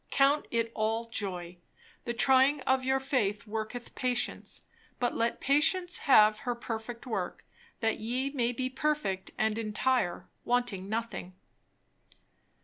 "Count it all joy." "The trying of your faith worketh patience. But let patience have her perfect work, that ye may be perfect and entire, wanting nothing."